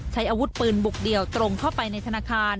ใช้อาวุธปืนบุกเดี่ยวตรงเข้าไปในธนาคาร